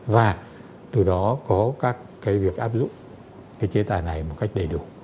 và từ đó có các cái việc áp dụng cái chế tài này một cách đầy đủ